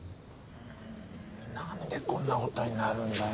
なんでこんな事になるんだよ。